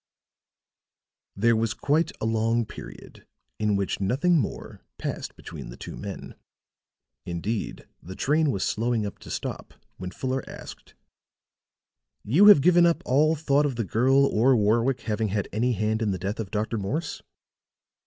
There was quiet a long period in which nothing more passed between the two men. Indeed the train was slowing up to stop when Fuller asked: "You have given up all thought of the girl or Warwick having had any hand in the death of Dr. Morse?"